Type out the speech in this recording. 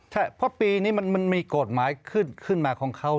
ใช่เพราะปีนี้มันมีกฎหมายขึ้นมาของเขา